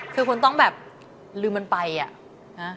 คือคุณต้องแบบลืมมันไปอ่ะนะ